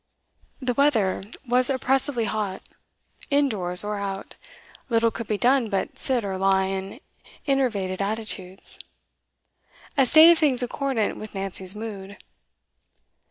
The weather was oppressively hot; in doors or out, little could be done but sit or lie in enervated attitudes, a state of things accordant with Nancy's mood.